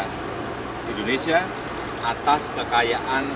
saya ingin memastikan indonesia atas kekayaan sumber